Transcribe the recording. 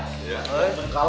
eh tenang kalem